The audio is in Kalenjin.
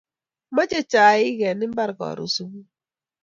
mache chaik en imbar karun subui